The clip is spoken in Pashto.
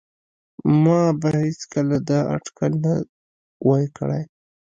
ما به هیڅکله دا اټکل نه وای کړی